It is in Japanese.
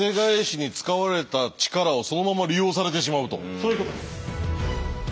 そういうことです。